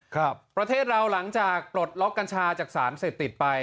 ประเทศเราหลังจากปลดล็อกกัญชาจากสารเสพติดไป